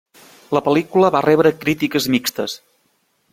La pel·lícula va rebre crítiques mixtes.